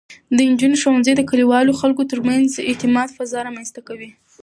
د نجونو ښوونځی د کلیوالو خلکو ترمنځ د اعتماد فضا رامینځته کوي.